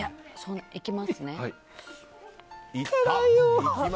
いきますね。